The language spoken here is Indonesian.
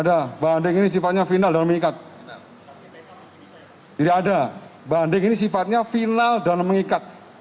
ada banding ini sifatnya final dan mengikat jadi ada banding ini sifatnya final dan mengikat